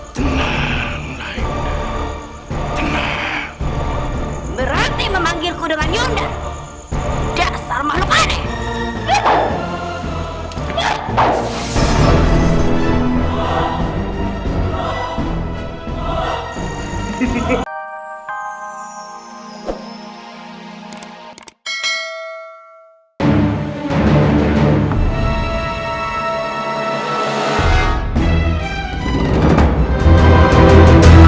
tenang berarti memanggil kudengar yunda dasar makhluk aneh